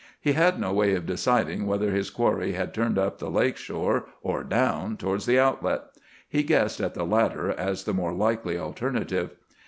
He had no way of deciding whether his quarry had turned up the lake shore or down towards the outlet. He guessed at the latter as the more likely alternative.